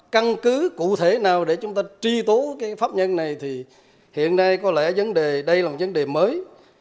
căn cứ cụ thể nào để chúng ta tri tố pháp nhân này thì hiện nay có lẽ đây là vấn đề mới